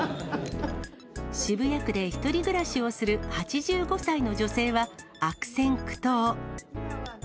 渋谷区で１人暮らしをする８５歳の女性は、悪戦苦闘。